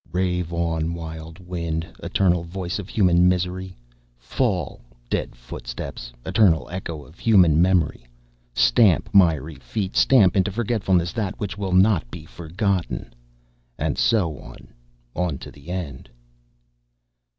Rave on, wild wind, eternal voice of human misery; fall, dead footsteps, eternal echo of human memory; stamp, miry feet; stamp into forgetfulness that which will not be forgotten. And so on, on to the end.